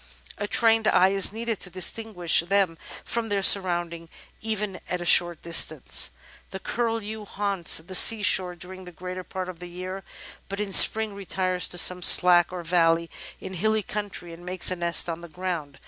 A trained eye is needed to distinguish them from their surroundings, even at a short distance. The Curlew haunts the sea shore during the greater part of the year, but in Spring retires to some slack or valley in hilly country, and makes a nest on the ground.